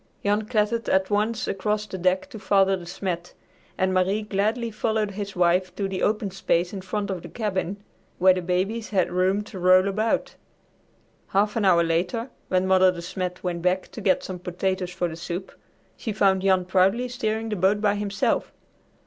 Jan clattered at once across the deck to Father De Smet, and Marie gladly followed his wife to the open space in front of the cabin where the babies had room to roll about. Half an hour later, when Mother De Smet went back to get some potatoes for the soup, she found Jan proudly steering the boat by himself.